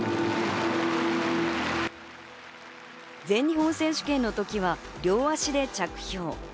全日本選手権の時は両足で着氷。